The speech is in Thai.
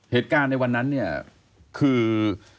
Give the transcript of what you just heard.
เหตุการณ์ในวันนั้นคือ